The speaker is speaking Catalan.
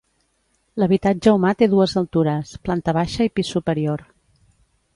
L'habitatge humà té dues altures, planta baixa i pis superior.